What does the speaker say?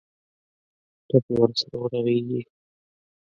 ټپ یې ورسره ورغېږي.